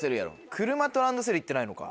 車とランドセルいってないのか。